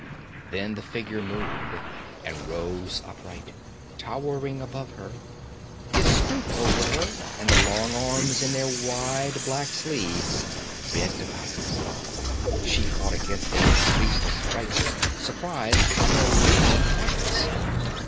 Then the figure moved and rose upright, towering above her. It stooped over her and the long arms in their wide black sleeves bent about her. She fought against them in speechless fright, surprized by their lean hardness.